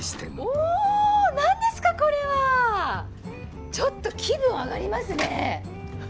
お何ですかこれは！ちょっと気分上がりますね！